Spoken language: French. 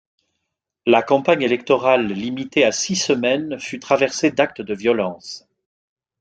La campagne électorale limitée à six semaines fut traversée d'actes de violence.